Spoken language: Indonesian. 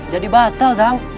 jadi batal dang